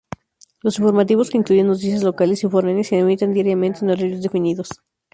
Los informativos, que incluyen noticias locales y foráneas se emiten diariamente en horarios definidos.